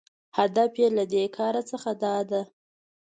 هدف یې له دې کاره څخه داده